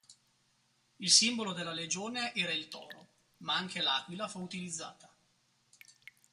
Il simbolo della legione era il toro, ma anche l'aquila fu utilizzata.